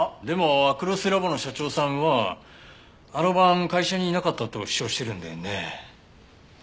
でもアクロスラボの社長さんはあの晩会社にいなかったと主張してるんだよね。